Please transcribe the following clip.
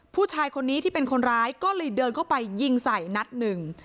ผู้ชายคนนี้ที่เป็นคนร้ายก็เลยเดินเข้าไปยิงใส่นัดหนึ่ง